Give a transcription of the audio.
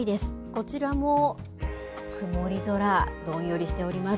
こちらも曇り空、どんよりしております。